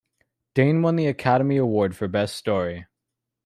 Dane won the Academy Award for Best Story.